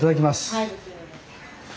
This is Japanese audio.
はい。